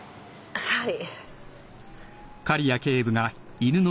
はい。